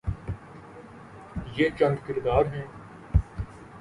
یہ چند کردار ہیں۔